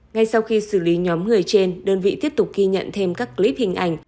ngay sau khi xử lý nhóm người trên đơn vị tiếp tục ghi nhận thêm các clip hình ảnh